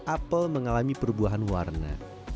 apel mengalami perbuahan warna